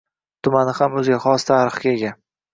Tumani ham o‘ziga xos tarixga ega.